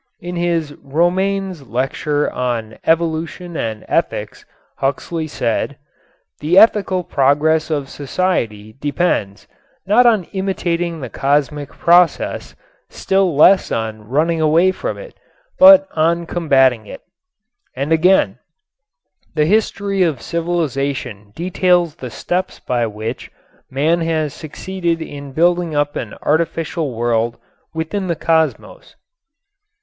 In his Romanes lecture on "Evolution and Ethics" Huxley said: "The ethical progress of society depends, not on imitating the cosmic process, still less on running away from it, but on combating it," and again: "The history of civilization details the steps by which man has succeeded in building up an artificial world within the cosmos."